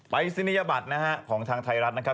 ไปสินิยบัตรของทางไทยรัฐนะครับ